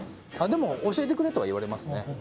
でも教えてくれとは言われますね。